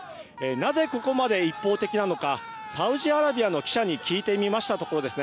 なぜ、ここまで一方的なのかサウジアラビアの記者に聞いてみましたところ